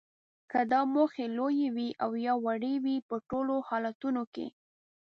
که دا موخې لویې وي او یا وړې وي په ټولو حالتونو کې